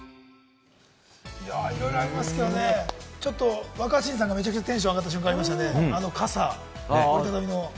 いや、いろいろありますけれどもね、ちょっと若新さんがめちゃくちゃテンション上がった瞬間ありましたね、あの傘、折り畳みの。